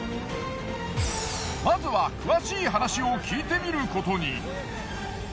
まずは詳しい話を聞いてみることに。